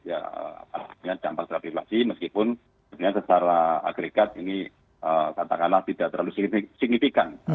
ya artinya campak terhadap inflasi meskipun sebenarnya secara agregat ini katakanlah tidak terlalu signifikan